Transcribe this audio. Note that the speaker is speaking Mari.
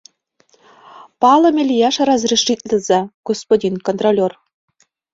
— Палыме лияш разрешитлыза, господин контролёр!